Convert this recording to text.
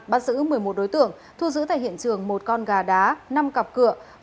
bắt giữ một mươi một đối tượng thu giữ tại hiện trường một con gà đá năm cặp cửa